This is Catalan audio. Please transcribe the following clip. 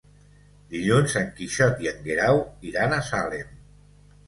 Dilluns en Quixot i en Guerau iran a Salem.